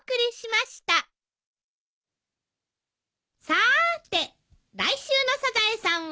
さーて来週の『サザエさん』は？